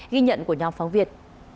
ghi nhận của nhóm phóng việt